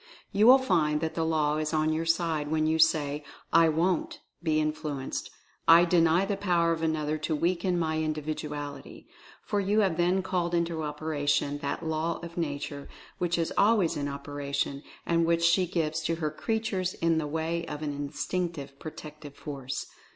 You will find that the Law is on your side when you say, "I WONT be influenced— I DENY the power of another to weaken my Individuality," for you have then called into operation that Law of Nature which is always in operation, and which she gives to her creatures in the way of an instinctive protective force.